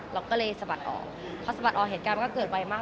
เราก็เลยสะบัดออกเพราะสะบัดออกเหตุกรรมก็เกิดไปมาก